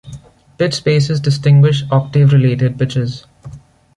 Pitch spaces distinguish octave-related pitches.